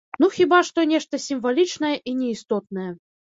Ну хіба што нешта сімвалічнае і неістотнае.